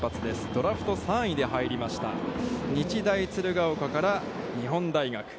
ドラフト３位で入りました日大鶴ケ丘から日本大学。